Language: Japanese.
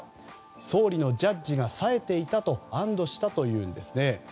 総理のジャッジが冴えていたと安堵したというんですね。